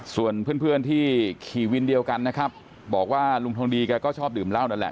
ส่วนเพื่อนที่ขี่วินเดียวกันนะครับบอกว่าลุงทองดีแกก็ชอบดื่มเหล้านั่นแหละ